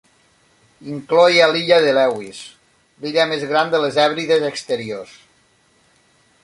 Incloïa l'illa de Lewis, l'illa més gran de les Hèbrides Exteriors.